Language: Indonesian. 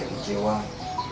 tidak ada p glenn